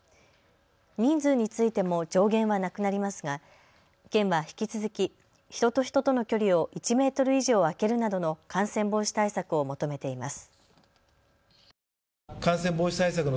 人数についても上限はなくなりますが県は引き続き、人と人との距離を１メートル以上空けるなどの感染防止対策を求めています。